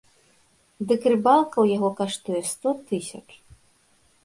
Дык рыбалка ў яго каштуе сто тысяч.